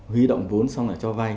huy động vốn xong là cho vay